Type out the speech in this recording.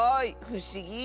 ふしぎ！